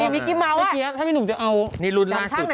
มิกค์กีมาวอะอ่ะพี่เกี๊ยร์ถ้าพี่หนูจะเอาดังครั้งหน่อย